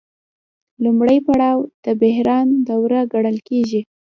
لومړی پړاو د بحران دوره ګڼل کېږي